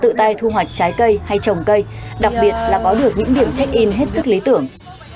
chúng tôi sẽ tự tay thu hoạch trái cây hay trồng cây đặc biệt là có được những điểm check in hết sức lý tưởng